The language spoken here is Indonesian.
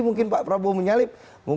mungkin pak prabowo menyalip